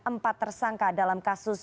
empat tersangka dalam kasus